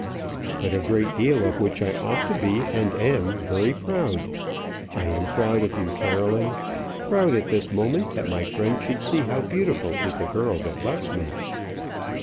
"But a great deal of which I ought to be, and am, very proud. I am proud of you, Caroline; proud at this moment that my friend should see how beautiful is the girl that loves me."